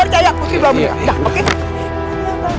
percaya putri bawa pendek